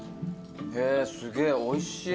へぇすげえおいしい。